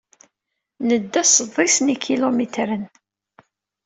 Nedda sḍis n yikilumitren.